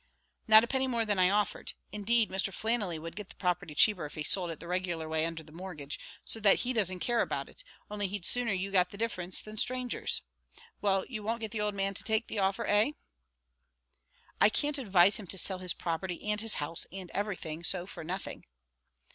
"Not a penny more than I offered. Indeed, Mr. Flannelly would get the property cheaper if he sold it the regular way under the mortgage, so that he doesn't care about it: only he'd sooner you got the difference than strangers. Well, you won't get the old man to take the offer eh?" "I can't advise him to sell his property, and his house, and everything, so for nothing."